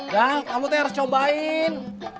dara kamu teh harus cobain